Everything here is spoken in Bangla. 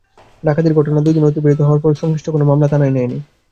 ডাকাতির ঘটনার দুই দিন অতিবাহিত হওয়ার পরও সংশ্লিষ্ট কোনো থানা মামলা নেয়নি।